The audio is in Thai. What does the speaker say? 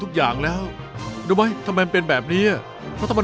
อื้มเยี่ยม